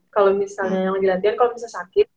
kalau misalnya yang lagi latihan kalau misalnya sakit